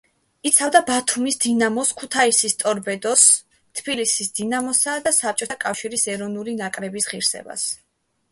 იცავდა ბათუმის „დინამოს“, ქუთაისის „ტორპედოს“, თბილისის „დინამოსა“ და საბჭოთა კავშირის ეროვნული ნაკრების ღირსებას.